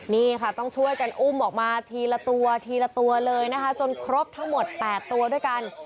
นี่ค่ะต้องช่วยกันอุ้มออกมาทีละตัวทีละตัวเลยนะคะจนครบทั้งหมด๘ตัวด้วยกัน